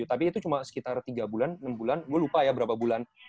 tapi itu cuma sekitar tiga bulan enam bulan gue lupa ya berapa bulan